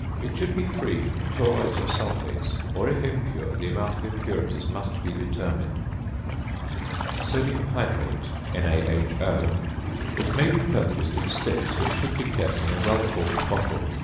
It should be free from chlorides or sulphates, or if impure the amount of impurities must be determined. ~Sodium Hydrate~, NaHO. It may be purchased in sticks, which should be kept in a well corked bottle.